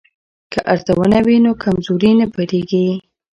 که ارزونه وي نو کمزوري نه پټیږي.